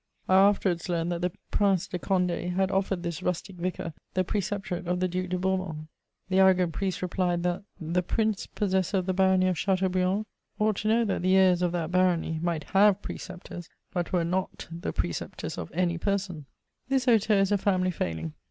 I after wards learned that the Prince de Cond^ had ojBFmd this rustic ▼icar the preceptorate of the Duke de Bourbon; The arrogant priest replied, that the '* Prince, possessor of the Banmy of Chateaubriand, ought to know that the hein of that Barony might have preceptors, but were not the preceptors of any persmt/' This hauteur is a family failing.